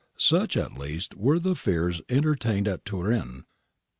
Such, at least, were the fears entertained at Turin.''